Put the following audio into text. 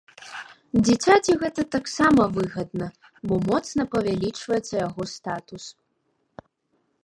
Дзіцяці гэта таксама выгадна, бо моцна павялічваецца яго статус.